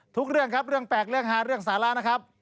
เรื่องครับเรื่องแปลกเรื่องฮาเรื่องสาระนะครับ